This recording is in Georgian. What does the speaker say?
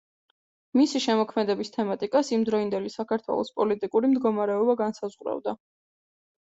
მისი შემოქმედების თემატიკას იმდროინდელი საქართველოს პოლიტიკური მდგომარეობა განსაზღვრავდა.